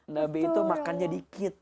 nabi itu makannya dikit